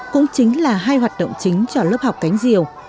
cũng chính là hai hoạt động chính cho lớp học cánh diều